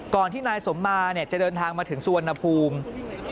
ก่อนที่นายสมมาเนี่ยจะเดินทางมาถึงสวนภูมิ